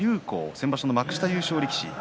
先場所の幕下優勝の力士です。